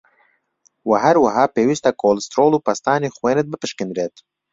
وه هەروەها پێویسته کۆلسترۆڵ و پەستانی خوێنت بپشکێندرێت